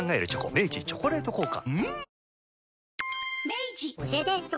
明治「チョコレート効果」